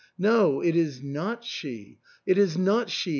" No, it is not she — it is not she